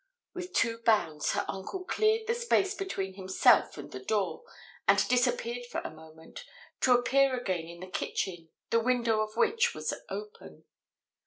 With two bounds her uncle cleared the space between himself and the door and disappeared for a moment, to appear again in the kitchen, the window of which was open.